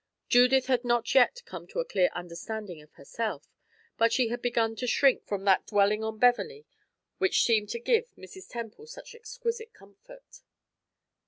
Judith had not yet come to a clear understanding of herself, but she had begun to shrink from that dwelling on Beverley which seemed to give Mrs. Temple such exquisite comfort.